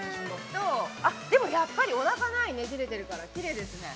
でも、やっぱりねじれてるから、きれいですね。